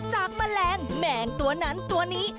แมลงแมงตัวนั้นตัวนี้